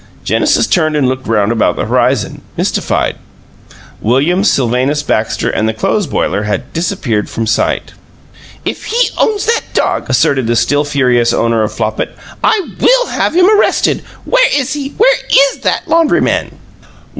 Genesis turned and looked round about the horizon, mystified. William Sylvanus Baxter and the clothes boiler had disappeared from sight. "If he owns that dog," asserted the still furious owner of Flopit, "I WILL have him arrested. Where is he? Where is that laundryman?"